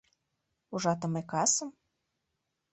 Ужатыме касым?